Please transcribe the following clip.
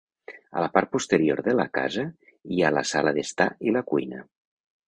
A la part posterior de la casa hi ha la sala d'estar i la cuina.